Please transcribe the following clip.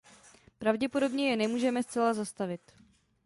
Pravděpodobně je nemůžeme zcela zastavit.